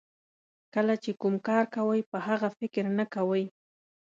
کله چې کوم کار کوئ په هغه فکر نه کوئ.